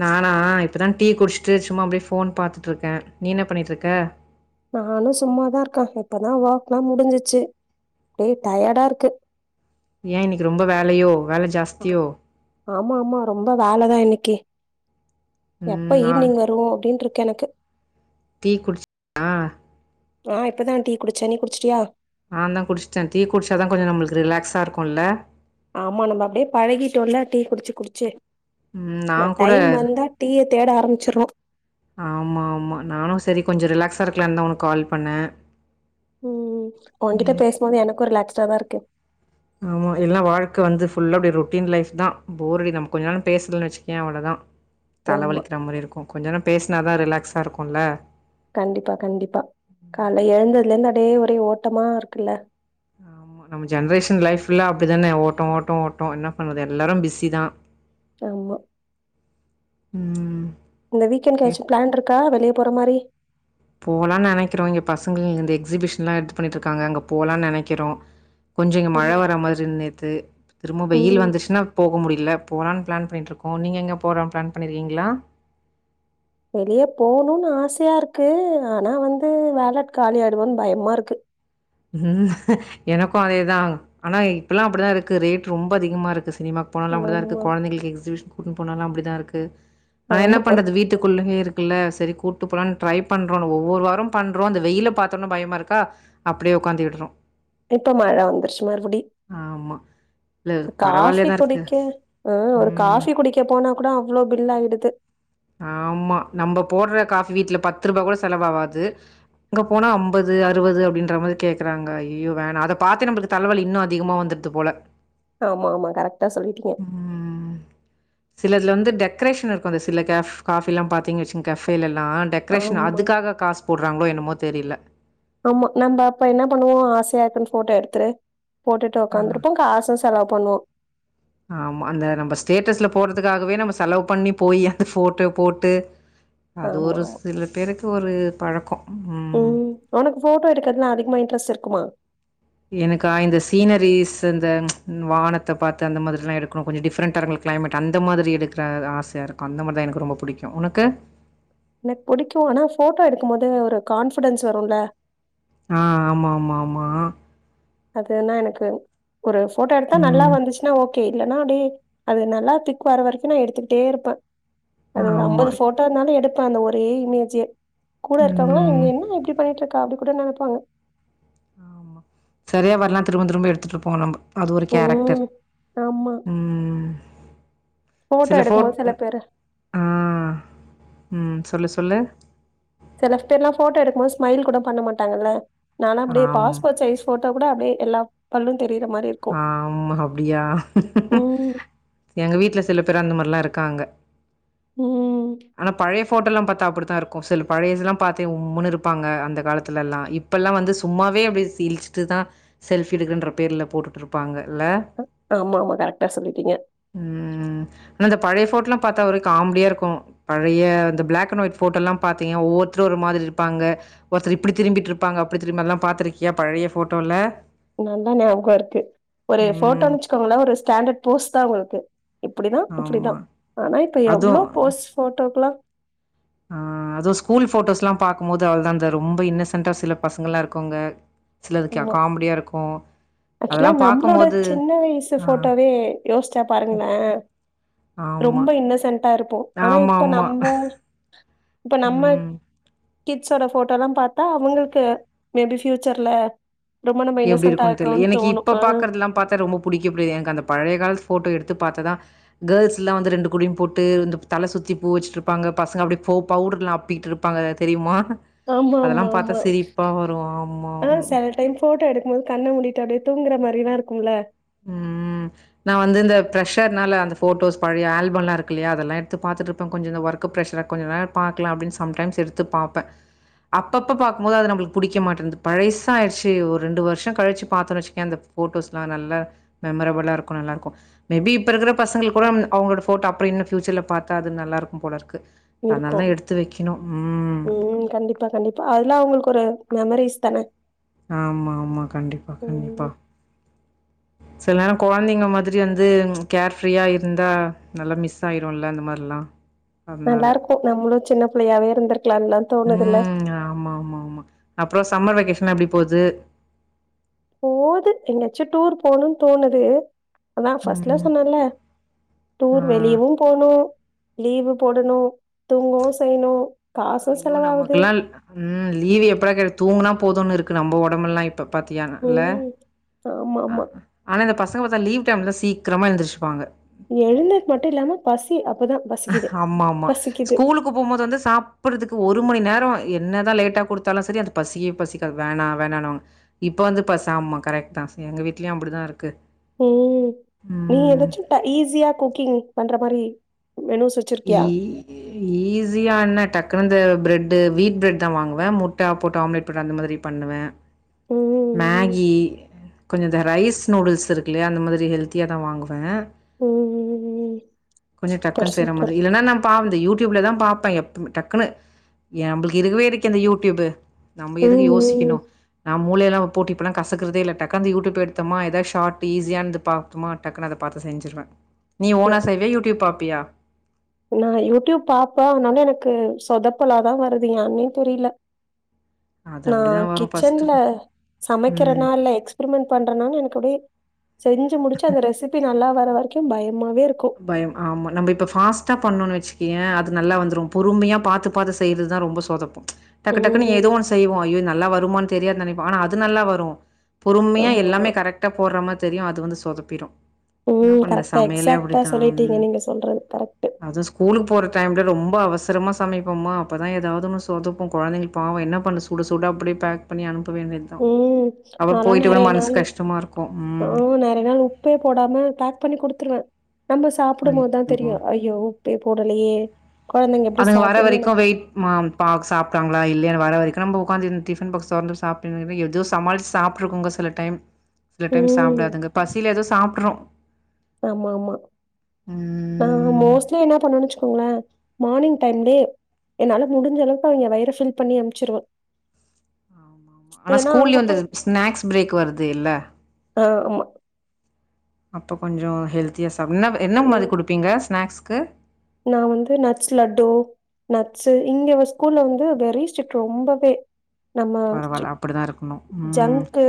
நானா இப்ப தான் டீ குடிச்சுட்டு சும்மா அப்படியே ஃபோன் பாத்துட்டுருக்கே நீ என்ன பண்ணிட்டு இருக்க நானும் சும்மாதா இருக்க இப்பதா ஒர்க்லா முடிஞ்சிச்சு ஒரே டயர்டா இருக்கு ஏன் இன்னைக்கு ரொம்ப வேலையோ வேல ஜாஸ்தி ஆ ஆமா ஆமா ரொம்ப வேலைதான் இன்னைக்கு ம், எப்ப நான் ஈவினிங் வரும் அப்டின்ட்ருக்கு எனக்கு டீ குடிச்சு நான் இப்பதான் டீ குடிச்சேன் நீ குடிச்சிட்டியா நா தான் குடிச்சிட்டேன் டீ குடிச்சாத தா கொஞ்சம் நம்பளுக்கு ரிலாக்ஸாக இருக்கும் இல்ல ஆமா நம்ம அப்படியே பழகிட்டோல்ல டீ குடிச்சு குடிச்சு ம், இந்த நான் கூட டைம் வந்தா டீய தேட ஆரம்பிச்சிறோம் ஆமா ஆமா நானும் சரி கொஞ்சம் ரிலாக்ஸாக இருக்கலாந்தான் உனக்கு கால் பண்ணேன் உம் உன்கிட்ட ம், பேசுனது எனக்கும் ரிலாக்ஸ்டா தான் இருக்கு ஆமா எல்லாம் வாழ்கை வந்து ஃபுல்லா அப்படி ரொட்டீன் லைப் தான் போர்டி நம் கொஞ்ச நேரம் பேசலன்னு வச்சிக்கோய அவ்வளோதான் ஆமா தலைவலிக்கிற மாதிரி இருக்கும் கொஞ்ச நேரம் பேசினாதான் ரிலாக்ஸா இருக்கும்ல்ல கண்டிப்பா கண்டிப்பா காலை எழுந்ததுலே இருந்து அப்டியே ஒரே ஓட்டமா இருக்குல்ல ஆமா நம்ம ஜென்ரேஷன் லைஃப்ல அப்படிதான ஓட்டம் ஓட்டம் ஓட்டம் என்ன பண்ணுவது எல்லாரும் பிஸி தான் ஆமா உம் இந்த வீக் எண்க்கு எதாச்சு பிளான் இருக்கா வெளிய போற மாதிரி போலான் நினைக்கிறோ இங்க பசங்கள் இந்த எக்ஸிபிஷன்லா இது பண்ணிட்டுருக்காங்க அங்க போலான் நினைக்கிறோ கொஞ்சம் இங்க மழை ம் வர மாதிரி நேத்து திரும்ப ம் வெயில் வந்துச்சுனா போக முடியல போலான்னு பிளான் பண்ணிட்ருக்கோம் நீங்க எங்க போறோன்னு பிளான் பண்ணியிருக்கீங்களா வெளிய போணுன்னு ஆசையா இருக்கு ஆனா வந்து வேல காலியாய்டுமோன்னு பயமா இருக்கு உம் எனக்கும் அதேதான் ஆனா இப்பல்லாம் அப்படிதா இருக்கு ரேட் ரொம்ப அதிகமா இருக்கு சினிமா போனாலும் அப்படிதான் ஆமா, இருக்கு கொழந்தைளுக்கு எக்ஸிபிஷன் கூட்டு போனாலும் அப்படிதான் இருக்கு ஆனா என்ன ஆமா. ஒரு பண்றது வீட்டு வீட்டுக்குள்ளயே இருக்குல்ல சரி கூட்டு போலான்னு ட்ரை பண்றோம் ஒவ்வொரு வாரம் பண்றோம் அந்த வெயில பாத்தோன்னா பயமா இருக்கா அப்படியே உக்காந்துட்றோம் இப்ப மழை வந்துருச்சு மறுபடி ஆமா. இல்ல பரவாயில்லையா காஃபி தான் இருக்கு. குடிக்க உ ஒரு ம். காஃபி குடிக்க போனா கூட அவ்வளோ பில் ஆயிடுது ஆமா நம்ம போடுற காஃபி வீட்டுல பத்து ரூபாய் கூட செலவாவாது இங்க போனா ஐம்பது அறுபது அப்படின்ற மாதிரி கேக்குறாங்க ஐயோ வேணாம் அத பாத்து நம்பளுக்கு தலவலி இன்னும் அதிகமா வந்துடுது போல ஆமா ஆமா கரெக்டா சொல்லிட்டீங்க சில இதுல வந்து டெக்கரேஷன் இருக்கும் அந்த சில கேஃப் காஃபில்லாம் பாத்தீங்க வச்சுங்க கஃபேல எல்லாம் டெக்ரேஷன் ஆமா, அதுக்காக காசு போடுறாங்களோ என்னமோ தெரில அம்மா நம்ம அப்ப என்ன பண்ணுவோம் ஆசையா இருக்குன்னு போட்டோ எடுத்துரு போட்டுட்டு உக்காந்துட்டு இருப்போம் காசு செலவு பண்ணுவோம் ஆமா அந்த நம்ம ஸ்டேட்டஸ்ல போட்றதுக்காகவே நம்ம செலவு பண்ணி போயி அந்த ஃபோட்டோ போட்டு அது ஆமா, ஒரு ஆமா. சில பேருக்கு ஒரு பழக்கோ ம் உனக்கு போட்டோ எடுக்கிறதுலாம் அதிகமா இன்ட்ரெஸ்ட் இருக்குமா எனக்கா இந்த சீனரீஸ் அந்த வானத்த பாத்து அந்த மாதிரில்லா இருக்கணு கொஞ்சோ டிஃப்ரெண்டா இருக்கனு கிளைமேட் அந்த மாதிரி இருக்கிற ஆசையாக இருக்கும் அந்த மாதிரி தான் எனக்கு ரொம்ப புடிக்கும் உனக்கு எனக்கு புடிக்கும் ஆனா ஃபோட்டோ எடுக்கும்போது ஒரு கான்ஃபிடென்ஸ் வரும்ல ஆ ஆமாம்மம்மம்மா அதுனா எனக்கு ஒரு போட்டோ எடுத்தா நல்லா ம் வந்துச்சுன்னா ஓகே இல்லன்னா அப்டியே அது நல்லா பிக் வர வரைக்கும் நான் எடுத்துட்டே இருப்பேன் அது ஒரு ஆமா அம்பது போட் டோ ஒரு மாதிரி எடுப்ப அந்த ஒரே இமேஜே கூட இருக்குறவங்களா ம் என்ன இப்டி பண்ணிட்டு இருக்கா அப்டி கூட நெனப்பாங்க செரியா வர்ல திரும்பத் திரும்ப எடுத்துட்டு இருப்போம் நம்ம அது ஒரு கேரக்டர் ம் ஆமா ம் போட்டோ சில போட் எடுக்கும்போது சில பேரு ஆ ம் சொல்லு சொல்லு சில பேர்லாம் போட்டோ எடுக்கும் போது ஸ்மைல் கூட பண்ண மாட்டாங்கல்ல நால்லா அப்டே ஆம். பாஸ்போட் சைஸ் போட்டோ கூட அப்டே எல்லா பல்லும் தெரிற மாரி இருக்கு ஆமா அப்டியா ம் எங்க வீட்ல சில பேர் அந்த மாரில்லாம் இருக்காங்க ம் ஆனா பழைய போட்டோல்லாம் பாத்தா அப்டித்தான் இருக்கும் சில பழைசெல்லாம் பாத்த உம்முன்னு இருப்பாங்க அந்த காலத்துலல்லாம் இப் இப்பல்லாம் வந்து சும்மாவே அப்டியே இளிச்சிட்டு தான் செல்ஃபி எடுக்கறன்ற பேர்ல போட்டுட்ருப்பாங்க இல்ல ஆமா ஆமா கரெக்டா சொல்லிட்டீங்க ம் ஆனா இந்த பழைய போட்டோல்லாம் பாத்தா ஒரே காம்டியா இருக்கும் பழைய அந்த பிளாக் அண்ட் ஒயிட் போட்டோ எல்லாம் பாத்தீங்க ஒவ்வொருத்தரும் ஒரு மாதிரி இருப்பாங்க ஒருத்தர் இப்டி திரும்பிட்டு இருப்பாங்க அப்டி திரும் எல்லாம் பாத்துருக்கியா பழைய போட்டோல நல்லா ஞாபகம் இருக்கு ஒரு போட்டோ ம். வச்சுக்கோங்களே ஒரு ஸ்டாண்டர்ட் போஸ்ட் தான் உங்களுக்கு இப்டிதான் ஆமா. இப்டிதான் ஆனா இப்ப என்ன அதுவும் போஸ் போட்டோக்குலா ஆ அதுவும் ஸ்கூல் போட்டோஸ் எல்லாம் பாக்கும்போது அவ்ளோதான் அந்த ரொம்ப இன்னொசென்டா சில பசங்களல்லாம் இருக்கோங்க சிலதுக் ஆமா காமெடியா இருக்கு ஆக்சுவலா நம்மளோட சின்ன வயசு போட்டோவே யோசிச்சா பாருங்களேன் ஆமா. ரொம்ப இன்னசன்டா இருப்போம் ஆனா இப்ப ஆமாமா. நம்ம இப்ப நம்ம ம். கிட்ஸோட போட்டோல்லாம் பார்த்தா அவங்களுக்கு மேபி ஃப்யூச்சர்ல ரொம்ப நம்ம எப்டி இன்னசண்டா இருக்குன்னு இருக்கோ தெர்ல எனக்கு இப்ப பாக்குறதுல்லாம் பாத்தா ரொம்ப புடிக்க புடிக்காது எனக்கு அந்த பழைய கால போட்டோ எடுத்து பாத்தா தான் கேர்ல்ஸ்ல்லாம் வந்து ரெண்டு குடிமி போட்டு இந்த தல சுத்தி பூ வச்சுட்டுருப்பாங்க பசங்க அப்டி போ பவுடரெல்லாம் அப்பிக்கிட்ருப் ப்பாங்க தெரியுமா ஆமா ஆமா அதெல்லாம் பாத்தா ஆமா சிரிப்பா வரும் ஆமா ம் தென் போட்டோ எடுக்கும்போது கண்ண மூடிட்டு அப்டியே தூங்குற மாரில்லாம் இருக்கும்ல ம் ம் நான் வந்து இந்த பிர்ஷர்னால அந்த போட்டோஸ் பழைய ஆல்பம் இருக்குல்லையா அதெல்லாம் எடுத்து பாத்துட் இருப்பேன் கொஞ்சம் இந்த ஒர்க் க்கு பிரஷர் கொஞ்ச நேரம் பாக்கலா அப்டின்னு சம்டைம்ஸ் எடுத்து பாப்பன் அப்பப்ப பார்க்கும்போது அது நம்மளுக்கு புடிக்க மாட்டேங்குது பழசாயிடுச்சு ஒரு ரெண்டு வருஷம் கழிச்சு பார்த்தனு வச்சுக்கோய அந் ஃபோட்டோஸ்லாம் நல்லா மெமரபுளாருக்கும் நல்லாருக்கும் மே பி இப்ப இருக்கிற பசங்களுக் கூட அவுங்களோட போட்டோ அப்ற இன்னும் பியூச்சர்ல பார்த்தா அது நல்லா இருக்கும் போல இருக்கு இருக்கு அதனால எடுத்து வைக்கணும் ம் கண்டிப்பா கண்டிப்பா அதுல்லா உங்களுக்கு ஒரு மெமரிஸ் தானே ஆமா ஆமா கண்டிப்பா கண்டிப்பா ம் சில நேர குழந்தைங்க மாதிரி வந்து கேர் ஃப்ரீயா இருந்தா நல்ல மிஸ் தயிருல்ல இந்த மாறில்லா நல்லா இருக்கு நம்மளும் சின்ன பிள்ளையாவே இருந்திருக்கலான்லா தோணுதுல்ல ம். ஆமா ஆமா ஆமா அப்ரோ சம்மர் வெகேஷன்லா எப்டி போகுது போது எங்காச்சு டூர் போகணுனு தோணுது அதா ஃபர்ஸ்ட்ல ம். சொன்னன்ல ஆ. டூர் வெளியவு போணு லீவு போடணு தூங்கவு செய்யணு காசும் ஐயோ! செலவாவுது நமக்கெல்லாம் ம் லீவு எப்படா கெடைக்கு தூங்குனா போதும்னு இருக்கு நம்ம உடம்பெல்லா இப்ப பத்தியான இல்ல ம் ஆமா ஆ ஆமா ஆனா இந்த பசங்க பார்த்தா லீவ் டைம்ல சீக்கிரமா எழுந்திருச்சுப்பாங்க எழுந்தது மட்டு இல்லாம பசி அப்பதா பசிக்குது பசிக்குது போகும்போது வந்து சாப்பிறதுக்கு ஒரு மணி நேரோ என்னதான் லேட்டா குடுத்தாலு சரி அது பசி பசிக்க வேணா வேணானுவாங்க இப்ப வந்து இப்ப சாமா கரெக்ட் தா எங்க வீட்லயும் அப்படிதா இருக்கு ம் நீ ம். எதாச்சும் ஈஸியா குக்கிங் பண்ற மாரி மெனு இ இ ஈஸியா என்ன டக்குனு இந்த ப்ரெட்டு வீட் ப்ரட் தா வாங்குவே முட்டை போட்டு ஆம்லேட் போட்டு அந்த மாதிரி பண்ணுவே ம் மேகி கொஞ்ச இந்த ரைஸ் நூடுல்ஸ் இருக்குல்லையா அந்த மாரி ஹெல்த்தியா தா வாங்குவே ஓ ம் ம் கொஞ்ஜோ சூப்பர் டக்குன்னு செய்யிற சூப்பர் மாரி இல்லன்னா நம் பாவது யூடியூப்ல தா பாப்பே எப் டக்குன்னு நம்பளுக்கு இருக்கவே இருக்கே அந்த யூடியூபு நம்ம எதுக்கு ம் யோசிக்கணு ம். நான் மூளை எல்லா போட்டு இப்பல்லா கசக்குறதே இல்ல உக்காந்து யுடியூப் எடுத்தோமா எதாது ஷார்ட் ஈசியான்து பாப் பம்மா டக்குன்னு எடுபாத்து செஞ்சிருவே நீ நா ஓனா செய்வியா யூடியூப் பாப்பியா நா யூடியூப் பாப்பன் அதனால எனக்கு சொதப்பலாதா வருது ஏன்னே தெரியல அது நா அப்டிதா வரு ஃபஸ்ட்டு கிச்சன்ல ம் சமைக்கிறனா இல்ல எக்ஸ் ப்ரிமெண்ட் பண்றனால எனக்கு அப்டியே செஞ்சு முடிச்சு அந்த ரெசிபி நல்லா வர வரைக்கும் பயமாவே இருக்கு பயம் ஆமா நம்ம இப்ப ஃபாஸ்ட்டா பண்ணோன்னு வச்சுக்கயே அது நல்லா வந்துரும் பொறுமையா பாத்து பாத்து செய்றது தா ரொம்ப சொ சொதப்பு டக்கு டக்குன்னு ம் ஏதோ ஒன்னு செய்வோ ஐயோ இது நல்லா வருமான்னு தெரியாது நெனைப்போ ஆனா அது நல்லா வரு பொறுமையா ஆமா ஆமா. எல்லாமே கரெக்டா போடுறமாரி தெரியு அது வந்து சொதப்பிரு ம் கரெக்டா எக்ஸாகக்ட்டா சொல்லிட்டீங்க நீங்க சொல்றது கரெக்ட்டு அதுவும் ஸ்கூலுக்கு போற டைம்ல ரொம்ப அவசரமா சமைப்போம்மா அப்பதா எதாவது ஒன்னு சொதப்பு கொழந்தைங்க பாவம் என்ன பண்ணு சுட சுட அப்டியே பேக் பண்ணி அனுப்ப வேண்டி ம் நாலா நெறைய நாள் கஷ்டமா இருக்கும். ஆ ம். நெறைய நாள் உப்பே போடாம பேக் பண்ணி குடுத்துருவே நம்ம சாப்டும் போதுதா ஐயோ! தெரியு ஐயோ உப்பே போடலையே கொழந்தைங்க எப்டி அதுங்க வர சாப்பிடும்னு வரைக்கு எனக்கு வெயிட் மாம் பாவோ சாப்டாங்களா இல்லையான் வர வரைக்கும் நம்ப உக்காந்து இந்த டிஃபன் பாக்ஸ் தொறந்து சாப்ப எதோ சமாள்ச்சு சாப்ட்ருக்கங்க சில டைம் சில டைம் ம். சாப்டாதுங்க பசியில எதோ சாப்ட்ரு ஆமா ஆமா நா மோஸ்ட்லி என்ன பண்ணனு வெச்சு க்கோங்களே மார்னிங் டைம்லே என்னால முடிஞ்ச அளவுக்கு அவிங்க வயிரப ஃபில் பண்ணி அமிச்சிருவே ஆமா ஆமா ஆனா அங்க ஸ்கூல்லயே வந்து போய் ஸ்நாக்ஸ் பிரேக் வருது இல்ல அ ஆமா அப்ப கொஞ்சோ ஹெல்த்திய சாப்ப என்ன பே என்ன மாரி ம் குடுப்பீங்க ஸ்நாக்ஸ்க்கு நா வந்து நட்ஸ் லட்டு நட்ஸு இங்கவ ஸ்கூல்ல வந்து வெரி ஸ்ட்ரிக்ட் ரொம்பவே நம்ம சி பரவால்ல அப்டிதான் இருக்கணும் ம் ஜங்க்கு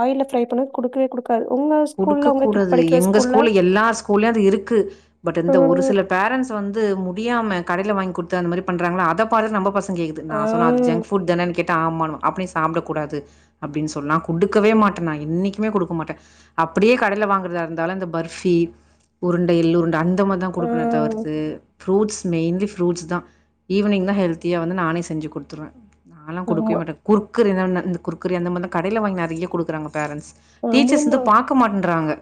ஆயில்ல ஃபிரை பண்ணத குடுக்கவே குடுக் குடுக்க கூடாது எங்க ஸ்கூல எல்லா ஸ்கூல்லயு அது இருக்கு பட் இந்த ஒரு ம் சில பேரண்ட்ஸ் வந்து முடியாம கடையில வாங்கி குடுத்து அந்த மாரி பண்றாங்களா அத பாத்துட் நம்ப பசங் க கேக்குது நா ஆ சொன்ன அது ஜங்க் ஃபுட் தானன் கேட் தா மான்னுவா அப்டியே சாப்டக் கூடாது அப்டின் சொல்லா குடுக்கவே மாட்டே நா என்னைக்குமே குடுக்க மாட்டே அப்டியே கடைல வாங்குறதா இருந்தாலு இந்த பர்பி உருண்டை எல்ரூண்ட அந் அத மார்தா ஆ குடுப்பனே தவர்த்து ஃப்ரூட்ஸ் மெயின்லி ஃப்ரூட்ஸ் தா ஈவ்னிங்னா ஹெல்த்தியா வந்து நானே செஞ்சி குடுத்துருவே நாலா குடுக்கவே ஆமா மாட்டே குர்குரே தான இந்த குர்குரே அந்த மார் தா கடையில வாங்கி நெறைய குடுக்குறாங்க பேரன்ட்ஸ் டீச்சர்ஸ் ஆமாமா வந்து பாக்க மாட்டன்றாங்க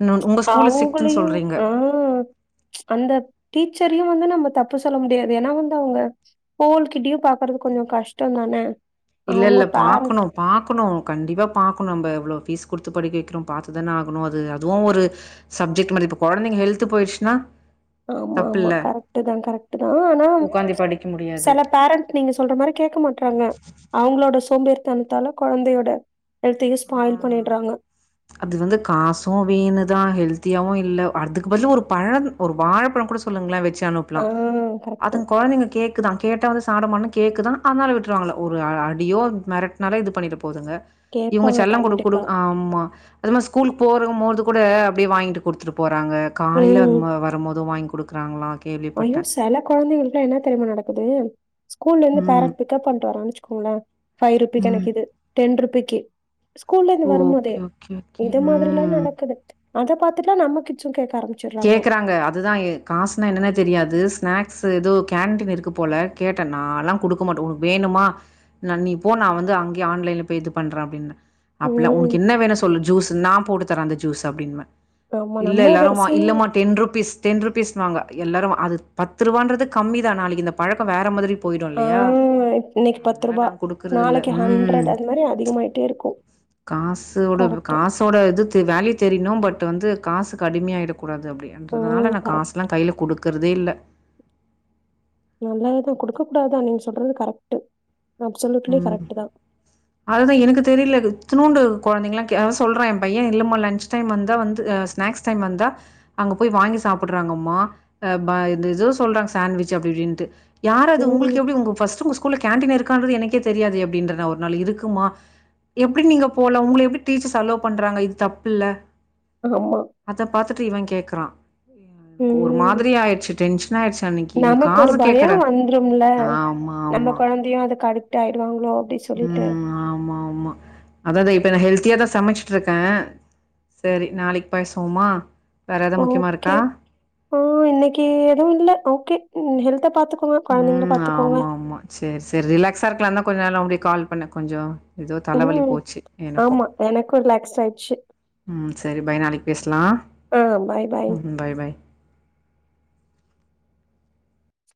இன்னொன் உங்க ஸ்கூல ஸ்ட்ரிக்ட்ன் சொல்றீங்க போ அந்த டீச்சரையு வந்து நம்ம தப்பு சொல்ல முடியாது ஏனா வந்து அவுங்க ஸ்கூல் கிட்டியு பாக்கறது கொஞ்சோ கஷ்டந்தான இல்ல இல்ல பாக்கனு பாக்கணு கண்டிப்பா பாக்கணு நம்ப எவ்ளோ ஃபீஸ் குடுத்து படிக்க வெக்கிறோ பாத்து தான ஆகணு அது அதுவு ஒரு சப்ஜெக்ட் மாரி இப்ப கொழந்தைங்க ஹெல்த்து போய்ர்ச்னா ஆமா ஆமா கரெக்டு தா கரெக்ட் தா ஆனா இம் உக்காந்து படிக்க முடியாது. செல பேரண் நீங்க சொல்ற மாரி கேக்க மாட்றாங்க அவுங்ளோட சோம்பேரி தனத்தால கொழந்தையோட எல்த்தையு ஆ ஸ்பாயில் பண்ணிட்றாங்க அது வந்து காசு வீனு தா ஹெல்த்தியாவு இல்ல அதுக்கு பதிலா ஒரு பழ ஒரு வாழப்பழ கூட சொல்லுங்ளே வெச்சி ஆ அனுப்பலாம் கரெக்ட் அதுங் கொழந்தைங்க கேக் க்குதா கேட்டா வந்து சாதமானா கேக்குதா அதனால விட்டுருவாங்களா ஒரு அ அடியோ மெரட்னாலே இது பண்ணிட்டு போதுங்க இவுங்க கேப்பாங்க செல்ல குடுக் கண்டிப்பா குடுக் ஆமா அது மார் ஸ்கூலுக் போரமோது கூட அப்டியே வாங்கிட்டு குடுத்துட்டு போறாங்க காலையில ம் வந்த் வரம் போது வாய்ங்க் குடுக்றாங்ளா ஐயோ செல கொழந்தைங்களுக்குல்லா என்ன தெரியுமா நடக்குது ஸ்கூல்ல இருந்து ம். பேரண்ட் பிக்கப் பண்றாங்கண் வச்சுக்கோங்களே ஃபை ருபிக் ம். எனக்கு இது டென் ருபிக்கு ஸ்கூல்ல இருந்து வரும் போதே ஓகே, ஓகே, ஓகே. இது மாதிரில்லா ம். நடக்குது அத பாத்துட்டுதா நம்ம கிச்சு கேக்க ஆரம் கேக்கறாங்க அதுதா காசுனா என்னனே தெரியாது ஸ்னாக்ஸ் ஏதோ கேன்டீன் இருக்கு போல கேட்டே நால்லா குடுக் க மாட்டோ உனுக் வேணுமா நா நீ போ நா வந்து அங்யே ஆன்லைன்ல போய் இது பண்ற அப்படின்னே அப்பில்லா ம் உனக்கு என்ன வேணா சொல்லு ஜூஸ் நா போட்டு தரே அந்த ஜூஸ் அப்டின்வே ஆமா இல்ல நம்ம எல்லாரு பேசி டென் ருபீஸ் டென் ருபீஸ் வாங்க எல்லாரு அது பத்து ரூவான்றது கம்மி தா நாளைக்கு இந்த பழக்கோ வேற மாதிரி போயிடு ஆ இல்லையா இன்னைக்கு பத்து அதனால ரூபா நான் குடுக்கறதில்ல. நாளைக்கு ஹண்டட் அந்த மாரி அதிகமாயிட்டே இருக்கு காஸ்சு வோட இப்ப கரெக்ட் காஸ் தோட இது தெ வேல்யூ தெரியுனு பட் வந்து காசுக்கு அடிமையாயிட கூடாது ம் அப்டின்றதுனால நா கரெக்ட் காஸ் இப்லா கையில குடுக்கறதே இல்ல நல்லதுதா குடுக்க கூடாது அ நீங்க சொல்றது கரெக்ட் அப்சலுட்லி கரெக்ட் தா அதுதா எனக்கு தெரியில இத்தூலுண்டு கொழந்தைங்கலா கே அவ சொல்றா எ பைய இல்லமா லன்ச் டைம் வந்தா வந்து அ ஸ்நாக்ஸ் டைம் வந்தா அங்க போயி வாங்கி சாப்பிட்றாங்கம்மா ம் பா இந்த ஏதோ சொல்றாங்க சாண்ட்விச் அப்படி இப்படின்ட்டு யாரது உங்களுக்கு ம் எப்படி உங்க ஃபர்ஸ்ட் உங்க ஸ்கூல்ல கேண்டீன் இருக்கான்றது எனக்கே தெரியாது அப்படின்றது ஒரு நாள் இருக்குமா எப்டி நீங்க போலா உங்கள எப்டி டீச்சர்ஸ் அலோவ் பண்றாங்க இது தப்புல்ல ஆமா அத பாத்துட்டு இவன் கேக்கறா யாரு எனக்கு ஒரு ம் மாதிரி ஆயிரிச்சி டென்ஷன் ஆயிரிச்சி அன்னைக்கு இன்னிக்கு நமக்கு ஒரு காசு பயோ கேக்குற வந்துரும்ல ஆமா நம்ம ஆமா கொழந்தையு அதுக்கு அடிக்ட் ஆயிருவாங்களோ உம் ஆமா ஆமா அத்தா அத்தா இப்ப நா ஹெல்த்தியா தா சமைச்சிட்டுருக்கே சேரி நாளைக்கு பேசுவோமா வேற எதாவது முக்கியமா ஓகே இருக்கா? ஓ இன்னைக்கு எதும் இல்ல ஓகே ம் ஹெல்த்த பாத்து உம் ஆமா ஆமா சேரி சேரி ரிலாக்ஸா இருக்கலான்தா கொஞ்ச நேரம் கால் பண்ணே கொஞ்சோ ஏதோ தலவலி ம் போச்சு எனக்கும் ஆமா எனக்கு ரிலாக்ஸ் ஆயிடுச்சு ம் சரி பை நாளைக்கு பேசலா ம் பாய் பாய்